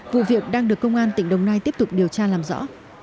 vụ việc đang được công an tỉnh đồng nai tiếp tục điều tra làm rõ